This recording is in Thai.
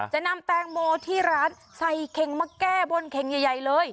จะนำแตงโมที่ร้านใส่เข่งมาแก้บนเข่งใหญ่เลย